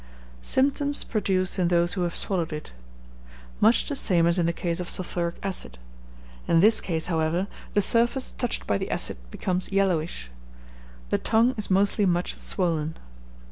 Symptoms produced in those who have swallowed it. Much the same as in the case of sulphuric acid. In this case, however, the surface touched by the acid becomes yellowish. The tongue is mostly much swollen.